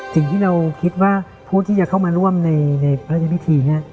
สิ่งที่เราคิดว่าผู้ที่จะเข้ามาร่วมในพระราชพิธีนี้